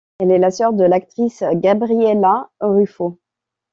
Elle est la sœur de l'actrice Gabriella Ruffo.